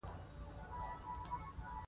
خوښه وپوښتل خوب دې څنګه دی.